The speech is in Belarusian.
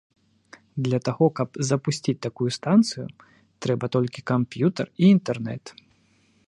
Для таго, каб запусціць такую станцыю трэба толькі камп'ютар і інтэрнэт.